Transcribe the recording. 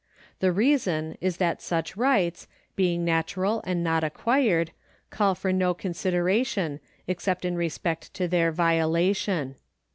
* The reason is that such rights, being natural and not acquired, call for no consideration, except in respect of their riolafion.